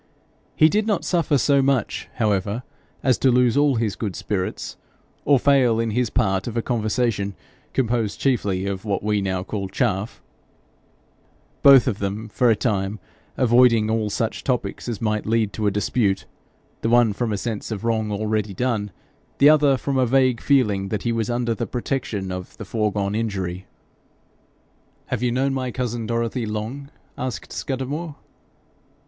He did not suffer so much, however, as to lose all his good spirits, or fail in his part of a conversation composed chiefly of what we now call chaff, both of them for a time avoiding all such topics as might lead to dispute, the one from a sense of wrong already done, the other from a vague feeling that he was under the protection of the foregone injury. 'Have you known my cousin Dorothy long?' asked Scudamore.